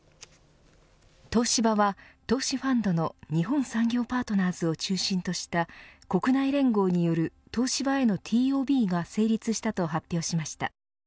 東芝は、投資ファンドの日本産業パートナーズを中心とした国内連合による東芝へのＴＯＢが成立したと発表しました。